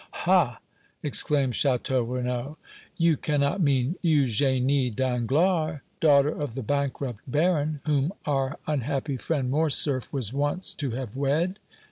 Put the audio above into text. "Ha!" exclaimed Château Renaud. "You cannot mean Eugénie Danglars, daughter of the bankrupt baron, whom our unhappy friend Morcerf was once to have wed?"